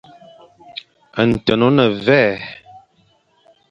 Nten ô ne mvè.